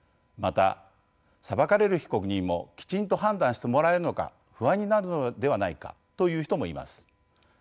また「裁かれる被告人もきちんと判断してもらえるのか不安になるのではないか」という人もいます。